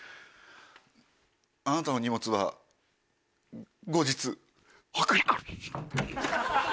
あなたの荷物は後日送るから。